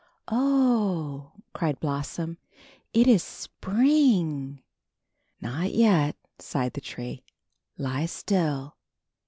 ^^Oh," cried Blossom, ^^it is Spring!" ''Not yet," sighed the tree. "Lie still."